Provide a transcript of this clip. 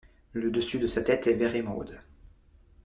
Le dessus de sa tête est vert émeraude.